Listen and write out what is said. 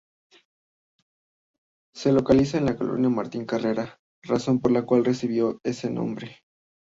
Se localiza en la colonia Martín Carrera, razón por la cual recibió ese nombre.